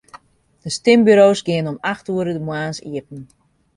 De stimburo's geane om acht oere de moarns iepen.